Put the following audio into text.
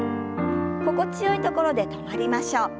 心地よいところで止まりましょう。